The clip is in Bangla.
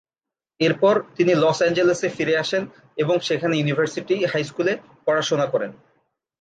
এরপর তিনি লস অ্যাঞ্জেলেসে ফিরে আসেন এবং সেখানে ইউনিভার্সিটি হাই স্কুলে পড়াশোনা করেন।